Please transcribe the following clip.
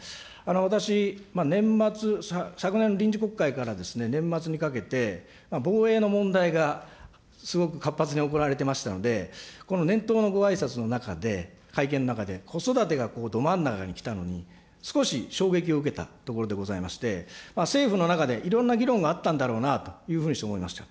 私、年末、昨年の臨時国会から年末にかけて、防衛の問題がすごく活発に行われてましたので、この年頭のごあいさつの中で、会見の中で、子育てがど真ん中にきたのに、少し衝撃を受けたところでございまして、政府の中で、いろんな議論があったんだろうなというふうに思いました。